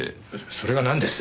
それがなんです？